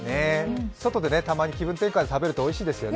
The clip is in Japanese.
外でたまに気分転換で食べるとおいしいですよね。